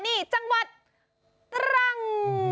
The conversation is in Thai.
นี่จังหวัดตรัง